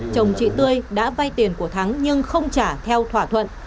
chồng chị tươi đã vay tiền của thắng nhưng không trả theo thỏa thuận